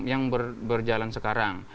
yang berjalan sekarang